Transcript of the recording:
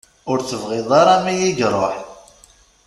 Ur teḅɣi ara mi i iruḥ.